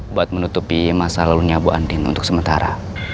buat menutupi masalah lunyabu andin untuk sementara